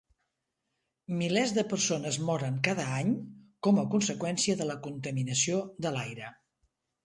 Milers de persones moren cada any com a conseqüència de la contaminació de l'aire.